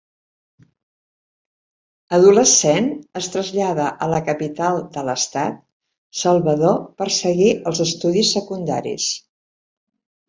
Adolescent, es trasllada a la capital de l'estat, Salvador per seguir els estudis secundaris.